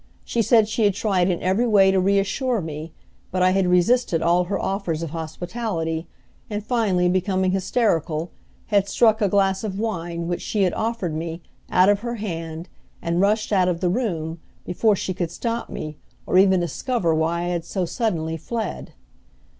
She said she had tried in every way to reassure me; but I had resisted all her offers of hospitality, and finally, becoming hysterical, had struck a glass of wine which she had offered me, out of her hand, and rushed out of the room, before she could stop me or even discover why I had so suddenly fled.